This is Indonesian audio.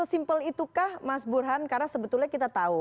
sesimpel itukah mas burhan karena sebetulnya kita tahu